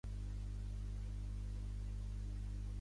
És la primera òpera d'Enric Granados.